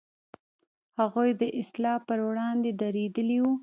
هغوی د اصلاح پر وړاندې درېدلي و.